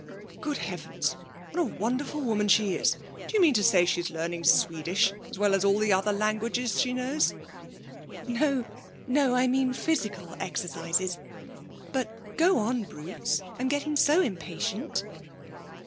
'Good heavens! What a wonderful woman she is! Do you mean to say she's learning Swedish, as well as all the other languages she knows?' 'No, no. I mean physical exercises. But go on, Bruce. I'm getting so impatient.'